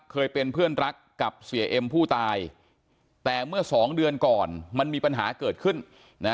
เคยเป็นเพื่อนรักกับเสียเอ็มผู้ตายแต่เมื่อสองเดือนก่อนมันมีปัญหาเกิดขึ้นนะ